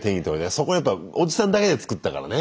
そこはやっぱおじさんだけで作ったからね。